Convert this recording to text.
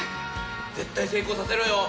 絶対成功させろよ。